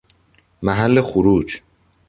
محل خروج